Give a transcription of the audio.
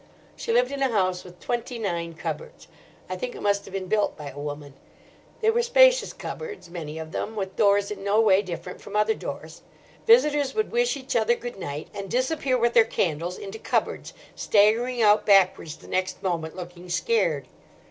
She lived in a house with twenty nine cupboards: I think it must have been built by a woman. They were spacious cupboards, many of them, with doors in no way different from other doors. Visitors would wish each other good night and disappear with their candles into cupboards, staggering out backwards the next moment, looking scared.